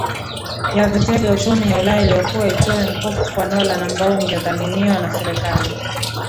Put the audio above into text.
ya Vitega Uchumi ya Ulaya iliyokuwa itoe mkopo kwa Nolan ambao ungedhaminiwa na Serikali